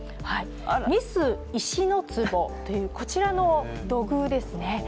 ミス石之坪という、こちらの土偶ですね。